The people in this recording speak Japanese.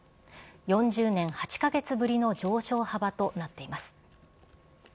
４０年８か月ぶりの上昇幅となっています。